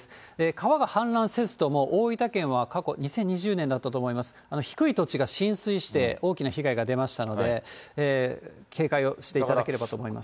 川が氾濫せずとも、大分県は過去、２０２０年だったと思います、低い土地が浸水して大きな被害が出ましたので、警戒をしていただければと思います。